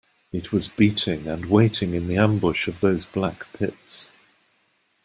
It was beating and waiting in the ambush of those black pits.